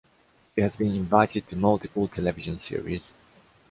She has been invited to multiple television series.